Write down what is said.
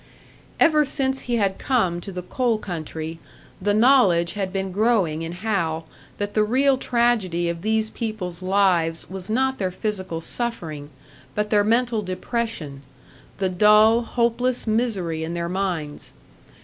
Ever since he had come to the coal country, the knowledge had been growing in Hal that the real tragedy of these people's lives was not their physical suffering, but their mental depression the dull, hopeless misery in their minds.